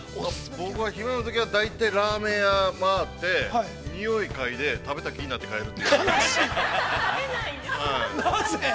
◆僕は大体暇なときは、ラーメン屋を回って、におい嗅いで、食べた気になって、帰る。